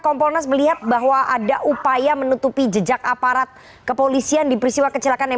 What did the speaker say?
kompolnas melihat bahwa ada upaya menutupi jejak aparat kepolisian di peristiwa kecelakaan yang